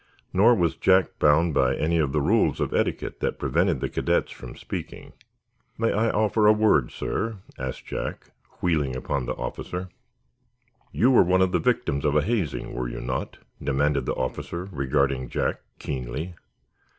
Nor was Jack bound by any of the rules of etiquette that prevented the cadets from speaking. "May I offer a word, sir?" asked Jack, wheeling upon the officer. "You were one of the victims of a hazing, were you not?" demanded the officer, regarding Jack, keenly.